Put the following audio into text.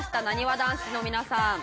なにわ男子の皆さん。